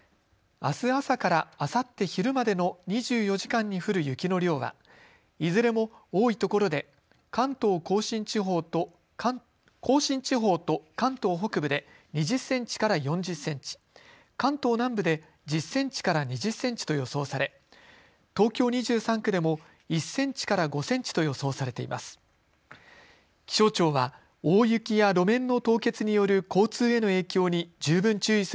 あす朝からあさって昼までの２４時間に降る雪の量はいずれも多いところでで関東甲信地方と甲信地方と関東関東北部で２０センチから４０センチ、関東南部で１０センチから２０センチと予想され、東京２３区でも１センチから５センチと予想されています。